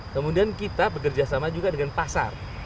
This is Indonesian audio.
kemudian kita bekerja sama juga dengan pasar